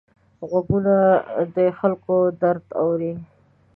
غوږونه د خلکو درد اوري